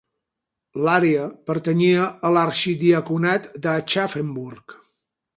L'àrea pertanyia a l'arxidiaconat d'Aschaffenburg.